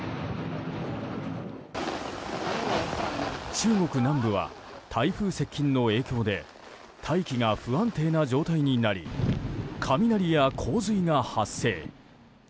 中国南部は台風接近の影響で大気が不安定な状態になり雷や洪水が発生。